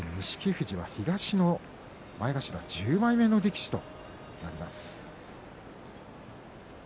富士は東の前頭１０枚目の力士となります。